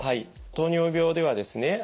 糖尿病ではですね